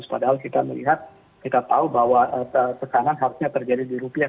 padahal kita melihat kita tahu bahwa tekanan harusnya terjadi di rupiah